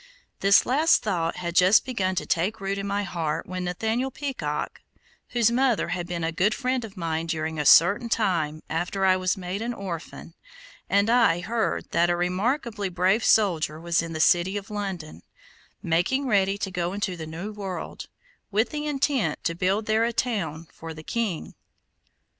This last thought had just begun to take root in my heart when Nathaniel Peacock, whose mother had been a good friend of mine during a certain time after I was made an orphan, and I, heard that a remarkably brave soldier was in the city of London, making ready to go into the new world, with the intent to build there a town for the king.